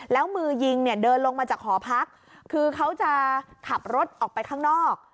แล้วมือยิงเนี่ยเดินลงมาจากหอพักคือเขาจะขับรถออกไปข้างนอก